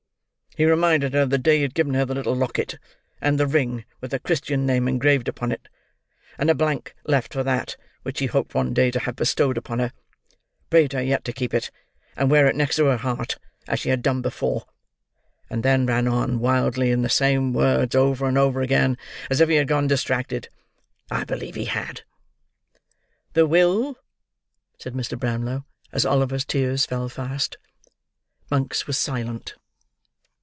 He reminded her of the day he had given her the little locket and the ring with her christian name engraved upon it, and a blank left for that which he hoped one day to have bestowed upon her—prayed her yet to keep it, and wear it next her heart, as she had done before—and then ran on, wildly, in the same words, over and over again, as if he had gone distracted. I believe he had." "The will," said Mr. Brownlow, as Oliver's tears fell fast. Monks was silent.